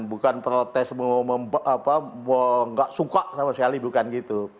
bukan protes nggak suka sama sekali bukan gitu